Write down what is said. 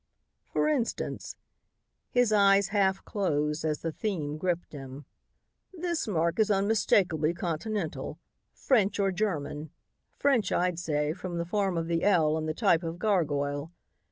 "For instance," his eyes half closed as the theme gripped him, "this mark is unmistakably continental French or German. French, I'd say, from the form of the 'L' and the type of gargoyle.